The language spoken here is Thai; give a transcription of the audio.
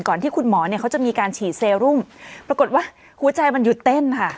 ที่คุณหมอเนี่ยเขาจะมีการฉีดเซรุมปรากฏว่าหัวใจมันหยุดเต้นค่ะ